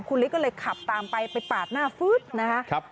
คุณฤทธิก็เลยขับตามไปไปปาดหน้าฟึ๊ดนะคะ